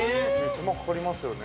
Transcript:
◆手間かかりますよね。